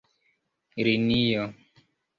linio